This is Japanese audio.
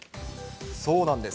そうなんです。